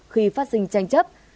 khi phát sinh tranh chấp